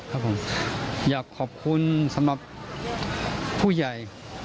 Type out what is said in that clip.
ครับผมอยากขอบคุณสำหรับผู้ใหญ่